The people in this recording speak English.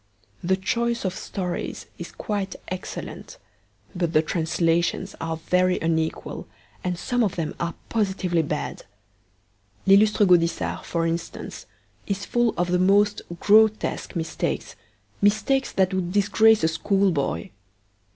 The choice of stories is quite excellent, but the translations are very unequal, and some of them are positively bad. L'lllustre Gaudissart, for instance, is full of the most grotesque mistakes, mistakes that would disgrace a schoolboy.